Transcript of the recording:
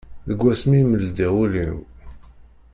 Deg wass mi i m-ldiɣ ul-iw.